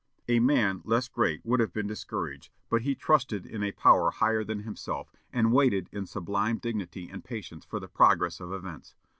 A man less great would have been discouraged, but he trusted in a power higher than himself, and waited in sublime dignity and patience for the progress of events.